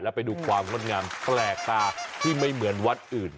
ไปดูความงดงามแปลกตาที่ไม่เหมือนวัดอื่น